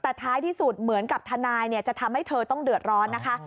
แต่ท้ายที่สุดเหมือนกับทนายจะทำให้เธอต้องเดือดร้อนนะคะ